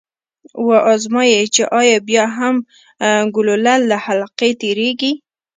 و ازمايئ چې ایا بیا هم ګلوله له حلقې تیریږي؟